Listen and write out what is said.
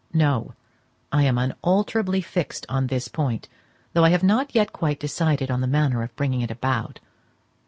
No; I am unalterably fixed on this point, though I have not yet quite decided on the manner of bringing it about.